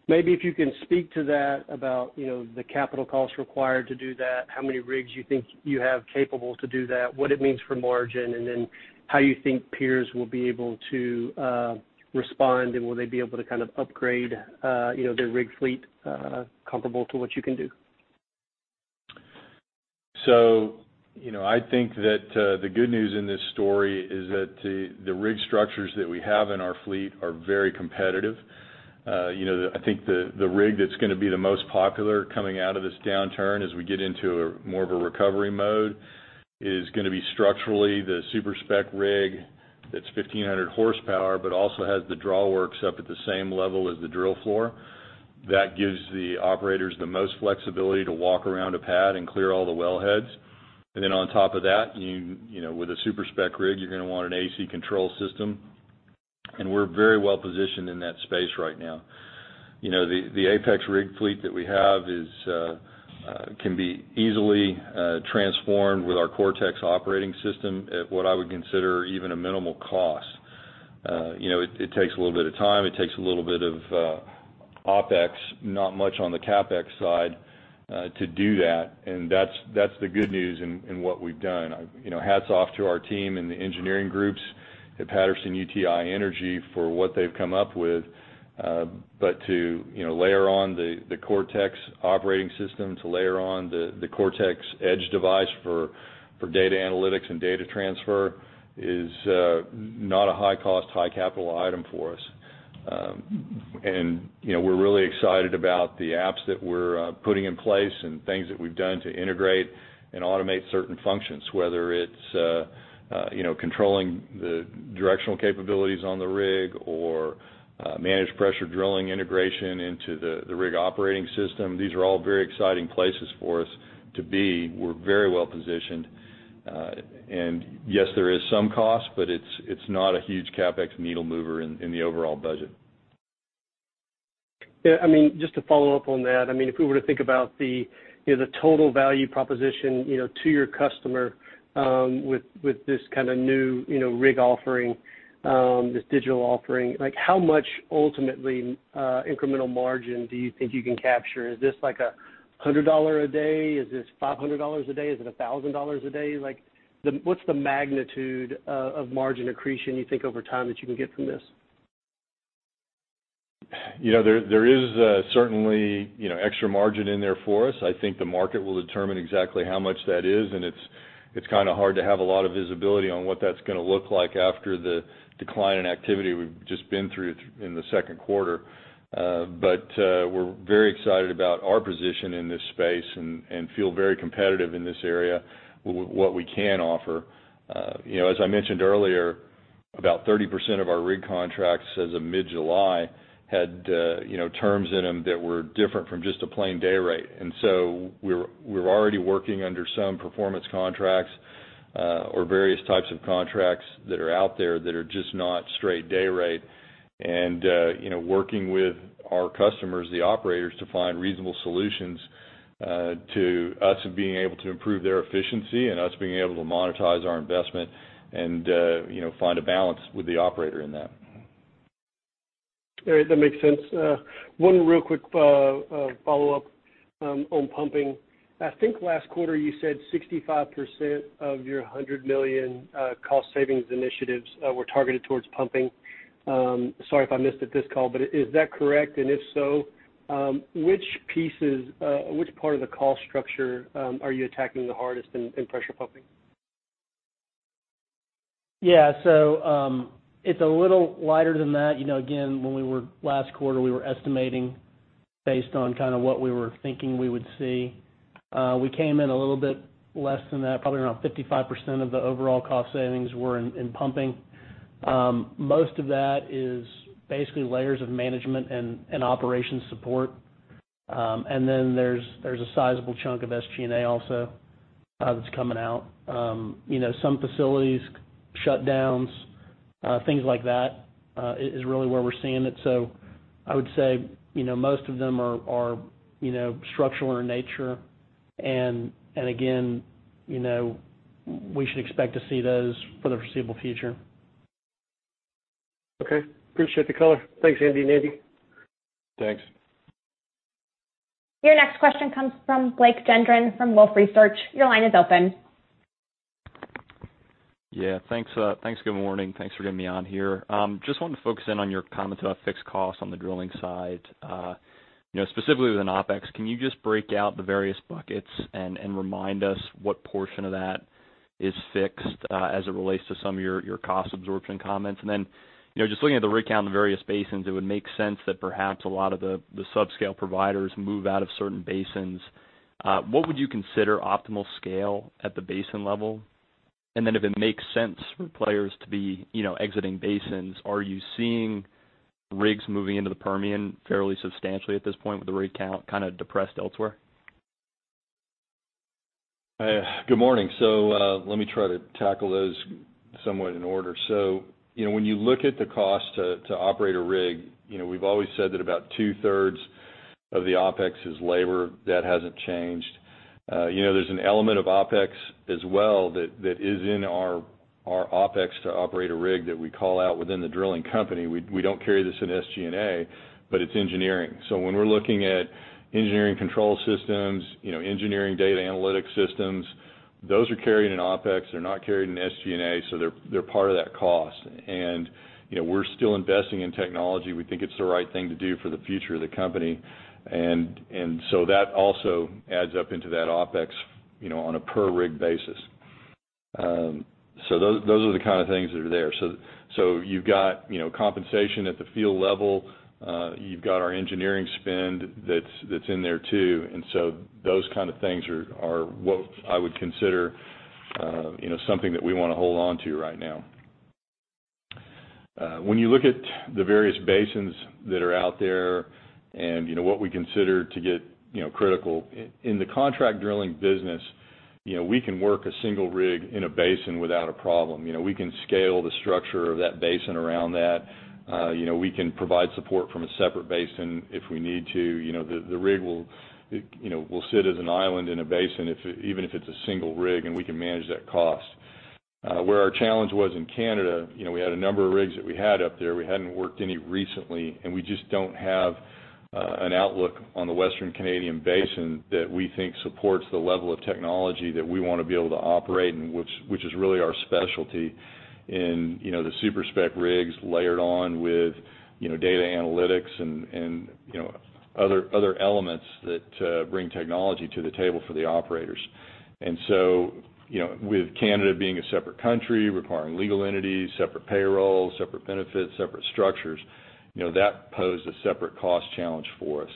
S12: Maybe if you can speak to that about the capital costs required to do that, how many rigs you think you have capable to do that, what it means for margin, and then how you think peers will be able to respond, and will they be able to kind of upgrade their rig fleet comparable to what you can do?
S3: I think that the good news in this story is that the rig structures that we have in our fleet are very competitive. I think the rig that's going to be the most popular coming out of this downturn as we get into more of a recovery mode is going to be structurally the super-spec rig that's 1,500 horsepower, but also has the drawworks up at the same level as the drill floor. That gives the operators the most flexibility to walk around a pad and clear all the wellheads. On top of that, with a super-spec rig, you're going to want an AC control system. We're very well-positioned in that space right now. The APEX rig fleet that we have can be easily transformed with our Cortex operating system at what I would consider even a minimal cost. It takes a little bit of time, it takes a little bit of OpEx, not much on the CapEx side to do that, and that's the good news in what we've done. Hats off to our team and the engineering groups at Patterson-UTI Energy for what they've come up with. To layer on the Cortex operating system, to layer on the Cortex Key for data analytics and data transfer is not a high-cost, high-capital item for us. We're really excited about the apps that we're putting in place and things that we've done to integrate and automate certain functions, whether it's controlling the directional capabilities on the rig or managed pressure drilling integration into the rig operating system. These are all very exciting places for us to be. We're very well-positioned. Yes, there is some cost, but it's not a huge CapEx needle mover in the overall budget.
S12: Just to follow up on that, if we were to think about the total value proposition to your customer with this kind of new rig offering, this digital offering, how much ultimately incremental margin do you think you can capture? Is this like $100 a day? Is this $500 a day? Is it $1,000 a day? What's the magnitude of margin accretion you think over time that you can get from this?
S3: There is certainly extra margin in there for us. I think the market will determine exactly how much that is, and it's kind of hard to have a lot of visibility on what that's going to look like after the decline in activity we've just been through in the second quarter. We're very excited about our position in this space and feel very competitive in this area with what we can offer. As I mentioned earlier, about 30% of our rig contracts as of mid-July had terms in them that were different from just a plain day rate. We're already working under some performance contracts or various types of contracts that are out there that are just not straight day rate. Working with our customers, the operators, to find reasonable solutions to us being able to improve their efficiency and us being able to monetize our investment and find a balance with the operator in that.
S12: All right. That makes sense. One real quick follow-up on pumping. I think last quarter you said 65% of your $100 million cost savings initiatives were targeted towards pumping. Sorry if I missed it this call, is that correct? If so, which part of the cost structure are you attacking the hardest in pressure pumping?
S4: Yeah. It's a little lighter than that. Again, last quarter we were estimating based on kind of what we were thinking we would see. We came in a little bit less than that, probably around 55% of the overall cost savings were in pumping. Most of that is basically layers of management and operations support. There's a sizable chunk of SG&A also that's coming out. Some facilities, shutdowns, things like that, is really where we're seeing it. I would say most of them are structural in nature. Again, we should expect to see those for the foreseeable future.
S12: Okay. Appreciate the color. Thanks, Andy and Andy.
S3: Thanks.
S1: Your next question comes from Blake Gendron from Wolfe Research. Your line is open.
S13: Yeah. Thanks. Good morning. Thanks for getting me on here. Just wanted to focus in on your comments about fixed costs on the drilling side. Specifically within OpEx, can you just break out the various buckets and remind us what portion of that is fixed as it relates to some of your cost absorption comments? Just looking at the rig count in the various basins, it would make sense that perhaps a lot of the sub-scale providers move out of certain basins. What would you consider optimal scale at the basin level? If it makes sense for players to be exiting basins, are you seeing rigs moving into the Permian fairly substantially at this point with the rig count kind of depressed elsewhere?
S3: Good morning. Let me try to tackle those somewhat in order. When you look at the cost to operate a rig, we've always said that about 2/3 of the OpEx is labor. That hasn't changed. There's an element of OpEx as well that is in our OpEx to operate a rig that we call out within the drilling company. We don't carry this in SG&A, but it's engineering. When we're looking at engineering control systems, engineering data analytics systems, those are carried in OpEx. They're not carried in SG&A, so they're part of that cost. We're still investing in technology. We think it's the right thing to do for the future of the company. That also adds up into that OpEx on a per-rig basis. Those are the kind of things that are there. You've got compensation at the field level. You've got our engineering spend that's in there too. Those kind of things are what I would consider something that we want to hold onto right now. When you look at the various basins that are out there and what we consider to get critical, in the contract drilling business. We can work a single rig in a basin without a problem. We can scale the structure of that basin around that. We can provide support from a separate basin if we need to. The rig will sit as an island in a basin even if it's a single rig, and we can manage that cost. Where our challenge was in Canada, we had a number of rigs that we had up there. We hadn't worked any recently, and we just don't have an outlook on the Western Canadian basin that we think supports the level of technology that we want to be able to operate and which is really our specialty in the super-spec rigs layered on with data analytics and other elements that bring technology to the table for the operators. With Canada being a separate country, requiring legal entities, separate payrolls, separate benefits, separate structures, that posed a separate cost challenge for us.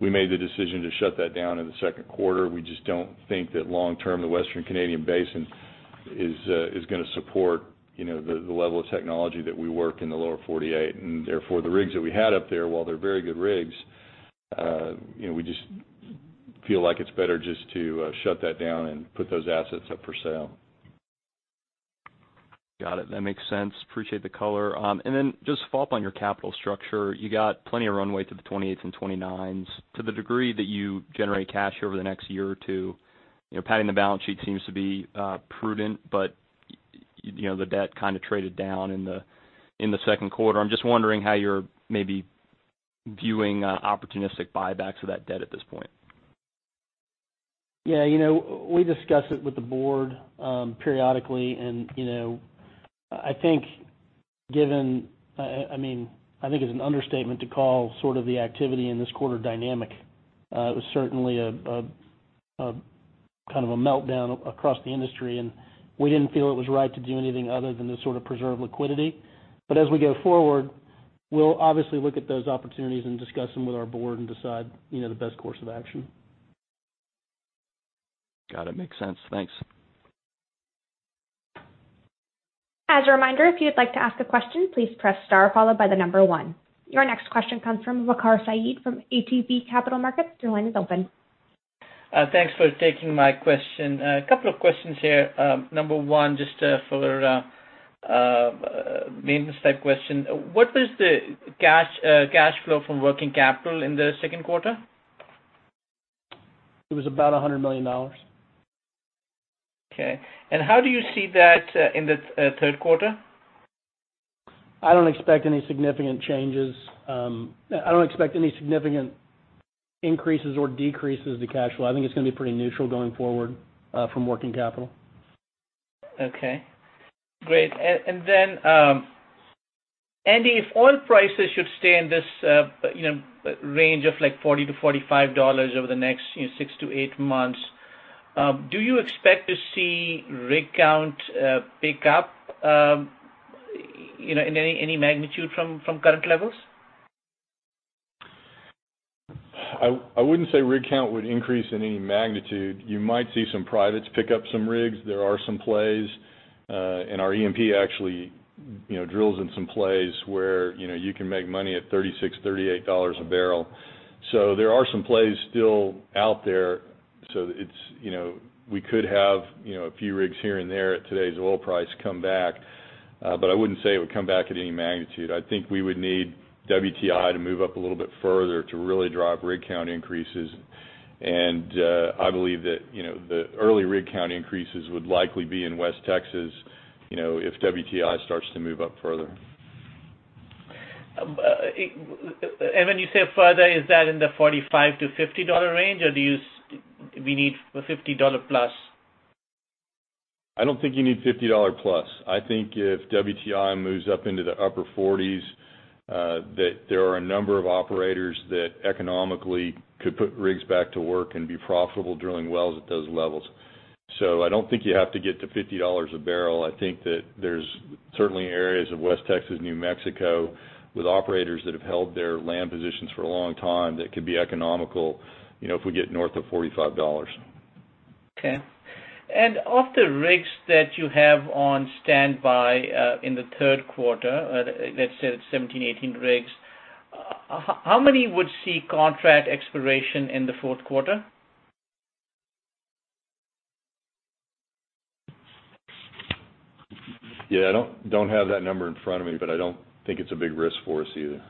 S3: We made the decision to shut that down in the second quarter. We just don't think that long term, the Western Canadian basin is going to support the level of technology that we work in the Lower 48. Therefore, the rigs that we had up there, while they're very good rigs, we just feel like it's better just to shut that down and put those assets up for sale.
S13: Got it. That makes sense. Appreciate the color. Just to follow up on your capital structure, you got plenty of runway to the 2028s and 2029s. To the degree that you generate cash over the next year or two, padding the balance sheet seems to be prudent, but the debt kind of traded down in the second quarter. I'm just wondering how you're maybe viewing opportunistic buybacks of that debt at this point.
S4: Yeah. We discuss it with the board periodically, I think it's an understatement to call sort of the activity in this quarter dynamic. It was certainly kind of a meltdown across the industry, we didn't feel it was right to do anything other than just sort of preserve liquidity. As we go forward, we'll obviously look at those opportunities and discuss them with our board and decide the best course of action.
S13: Got it. Makes sense. Thanks.
S1: As a reminder, if you'd like to ask a question, please press star followed by the number one. Your next question comes from Waqar Syed from ATB Capital Markets. Your line is open.
S14: Thanks for taking my question. A couple of questions here. Number one, just for a maintenance type question, what was the cash flow from working capital in the second quarter?
S4: It was about $100 million.
S14: Okay. How do you see that in the third quarter?
S4: I don't expect any significant changes. I don't expect any significant increases or decreases to cash flow. I think it's going to be pretty neutral going forward from working capital.
S14: Okay, great. Andy, if oil prices should stay in this range of $40-$45 over the next six to eight months, do you expect to see rig count pick up in any magnitude from current levels?
S3: I wouldn't say rig count would increase in any magnitude. You might see some privates pick up some rigs. There are some plays, and our E&P actually drills in some plays where you can make money at $36, $38 a barrel. There are some plays still out there. We could have a few rigs here and there at today's oil price come back. I wouldn't say it would come back at any magnitude. I think we would need WTI to move up a little bit further to really drive rig count increases. I believe that the early rig count increases would likely be in West Texas if WTI starts to move up further.
S14: When you say further, is that in the $45-$50 range, or do we need $50+?
S3: I don't think you need $50+. I think if WTI moves up into the upper 40s, that there are a number of operators that economically could put rigs back to work and be profitable drilling wells at those levels. I don't think you have to get to $50 a barrel. I think that there's certainly areas of West Texas, New Mexico with operators that have held their land positions for a long time that could be economical if we get north of $45.
S14: Okay. Of the rigs that you have on standby in the third quarter, let's say it's 17, 18 rigs, how many would see contract expiration in the fourth quarter?
S3: Yeah, I don't have that number in front of me, but I don't think it's a big risk for us either.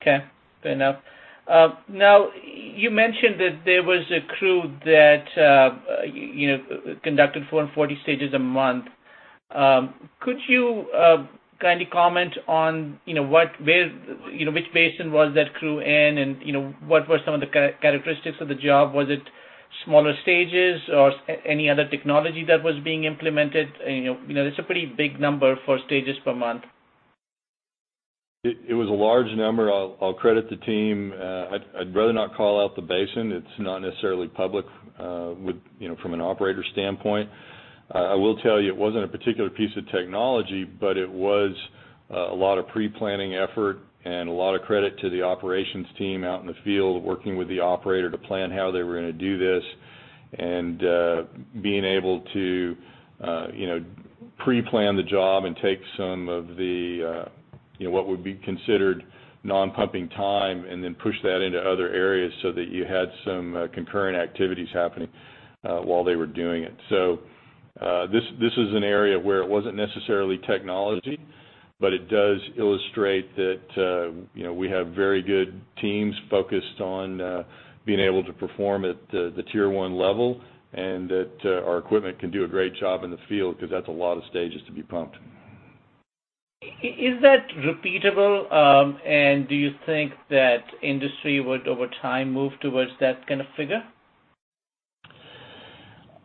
S14: Okay. Fair enough. You mentioned that there was a crew that conducted 440 stages a month. Could you kindly comment on which basin was that crew in, and what were some of the characteristics of the job? Was it smaller stages or any other technology that was being implemented? It's a pretty big number for stages per month.
S3: It was a large number. I'll credit the team. I'd rather not call out the basin. It's not necessarily public from an operator standpoint. I will tell you it wasn't a particular piece of technology, but it was a lot of pre-planning effort and a lot of credit to the operations team out in the field working with the operator to plan how they were going to do this and being able to pre-plan the job and take some of what would be considered non-pumping time, and then push that into other areas so that you had some concurrent activities happening while they were doing it. This is an area where it wasn't necessarily technology, but it does illustrate that we have very good teams focused on being able to perform at the tier 1 level, and that our equipment can do a great job in the field because that's a lot of stages to be pumped.
S14: Is that repeatable? Do you think that industry would, over time, move towards that kind of figure?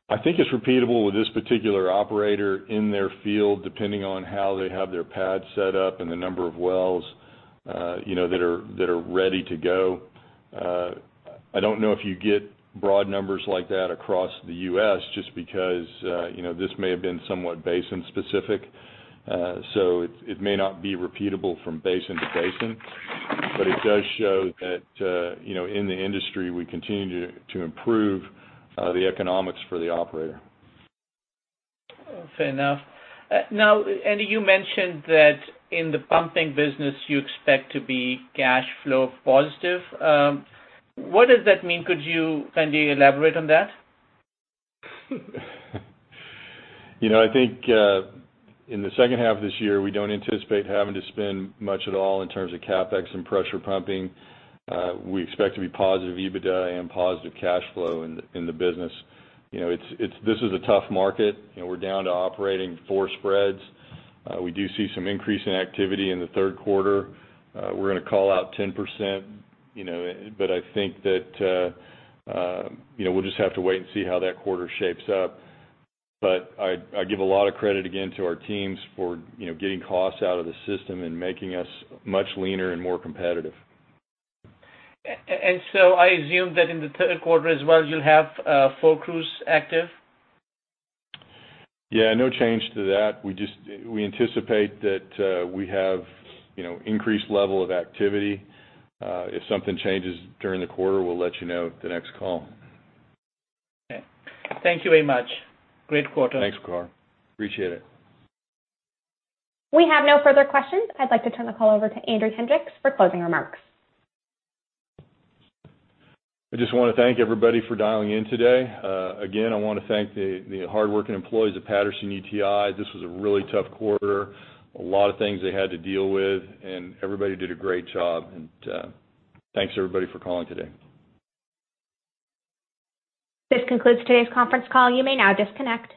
S3: I think it's repeatable with this particular operator in their field, depending on how they have their pad set up and the number of wells that are ready to go. I don't know if you get broad numbers like that across the U.S. just because this may have been somewhat basin specific. It may not be repeatable from basin to basin, but it does show that in the industry, we continue to improve the economics for the operator.
S14: Fair enough. Andy, you mentioned that in the pumping business, you expect to be cash flow positive. What does that mean? Could you kindly elaborate on that?
S3: I think in the H2 of this year, we don't anticipate having to spend much at all in terms of CapEx and pressure pumping. We expect to be positive EBITDA and positive cash flow in the business. This is a tough market. We're down to operating four spreads. We do see some increase in activity in the third quarter. We're going to call out 10%. I think that we'll just have to wait and see how that quarter shapes up. I give a lot of credit, again, to our teams for getting costs out of the system and making us much leaner and more competitive.
S14: I assume that in the third quarter as well, you'll have four crews active?
S3: No change to that. We anticipate that we have increased level of activity. If something changes during the quarter, we will let you know at the next call.
S14: Okay. Thank you very much. Great quarter.
S3: Thanks, Waqar. Appreciate it.
S1: We have no further questions. I'd like to turn the call over to Andy Hendricks for closing remarks.
S3: I just want to thank everybody for dialing in today. Again, I want to thank the hardworking employees of Patterson-UTI. This was a really tough quarter. A lot of things they had to deal with, and everybody did a great job. Thanks everybody for calling today.
S1: This concludes today's conference call. You may now disconnect.